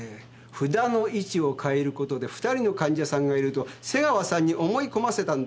札の位置を変えることで「二人の患者さんがいる」と瀬川さんに思い込ませたんです。